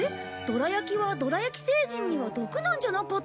どら焼きはドラヤキ星人には毒なんじゃなかったっけ？